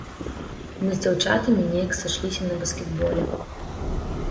Мы з дзяўчатамі неяк сышліся на баскетболе.